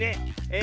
え